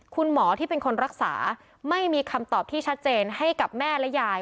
คุณหมอที่เป็นคนรักษาไม่มีคำตอบที่ชัดเจนให้กับแม่และยาย